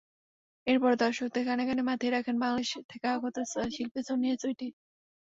এরপর দর্শকদের গানে গানে মাতিয়ে রাখেন বাংলাদেশ থেকে আগত শিল্পী সোনিয়া সুইটি।